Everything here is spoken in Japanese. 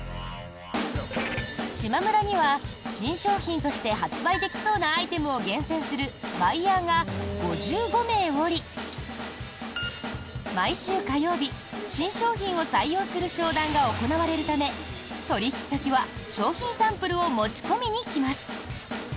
しまむらには新商品として発売できそうなアイテムを厳選するバイヤーが５５名おり毎週火曜日、新商品を採用する商談が行われるため取引先は商品サンプルを持ち込みに来ます。